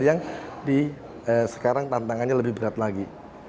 yang sekarang tantangannya lebih berat lagi